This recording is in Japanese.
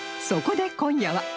そこで今夜は